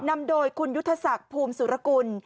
นำโดยคุณยุทธศักดิ์ภูมิสุรกุล